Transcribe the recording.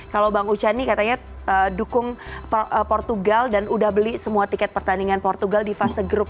kalau bang ucani katanya dukung portugal dan udah beli semua tiket pertandingan portugal di fase grup